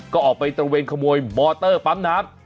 ก็ออกไปตระเวนขโมยมอเตอร์ปั๊มน้ำ